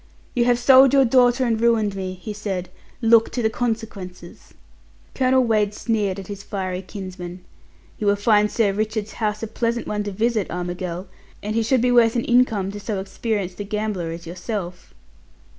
"You have sold your daughter and ruined me," he said; "look to the consequences." Colonel Wade sneered at his fiery kinsman: "You will find Sir Richard's house a pleasant one to visit, Armigell; and he should be worth an income to so experienced a gambler as yourself."